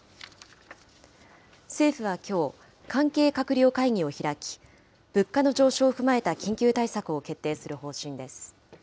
政府はきょう、関係閣僚会議を開き、物価の上昇を踏まえた緊急対策を決定する方針です。